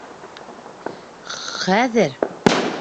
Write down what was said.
Х-хәҙер.